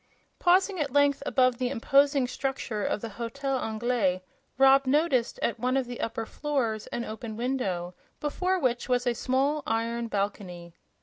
Pausing at length above the imposing structure of the Hotel Anglais, Rob noticed at one of the upper floors an open window, before which was a small iron balcony.